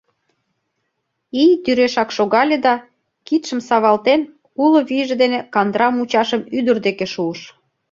ий тӱрешак шогале да, кидшым савалтен, уло вийже дене кандыра мучашым ӱдыр деке шуыш.